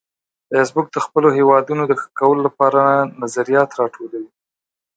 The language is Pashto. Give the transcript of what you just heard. فېسبوک د خپلو هیوادونو د ښه کولو لپاره نظریات راټولوي